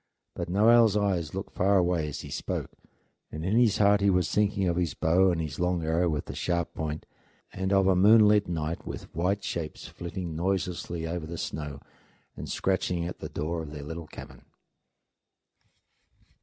But Noel's eyes looked far away as he spoke, and in his heart he was thinking of his bow and his long arrow with the sharp point, and of a moonlit night with white shapes flitting noiselessly over the snow and scratching at the door of the little cabin.